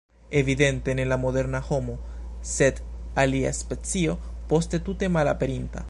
Evidente ne la moderna homo, sed alia specio poste tute malaperinta.